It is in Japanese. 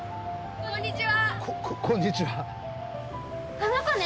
こんにちは。